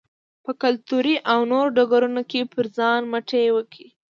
په کلتوري او نورو ډګرونو کې پر ځان متکي وي.